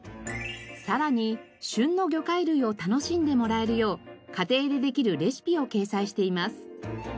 さらに旬の魚介類を楽しんでもらえるよう家庭でできるレシピを掲載しています。